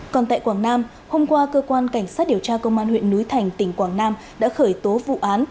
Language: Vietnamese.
còn tại quảng nam hôm qua cơ quan cảnh sát điều tra công an huyện núi thành tỉnh quảng nam đã khởi tố vụ án